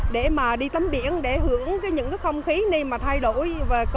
để mà đi tắm biển để hưởng những cái không khí này mà thay đổi